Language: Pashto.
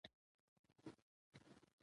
ځوانان د هېواد په پرمختګ کې مهم رول لري.